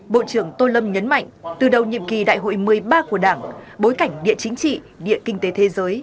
bộ trưởng tô lâm nhấn mạnh từ đầu nhiệm kỳ đại hội một mươi ba của đảng bối cảnh địa chính trị địa kinh tế thế giới